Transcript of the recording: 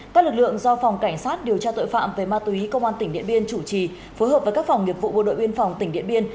các lực lượng do phòng cảnh sát điều tra tội phạm về ma túy công an tỉnh điện biên chủ trì phối hợp với các phòng nghiệp vụ bộ đội biên phòng tỉnh điện biên